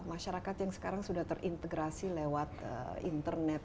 masyarakat yang sekarang sudah terintegrasi lewat internet